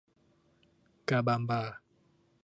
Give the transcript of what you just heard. กาบามบา